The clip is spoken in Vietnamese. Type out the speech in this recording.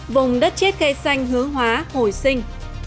vùng đất chết khe xanh hướng hóa hồi sinh